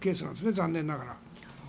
残念ながら。